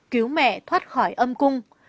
cứu mẹ thoát khỏi âm cung